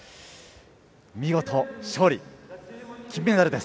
見事、勝利、金メダルです。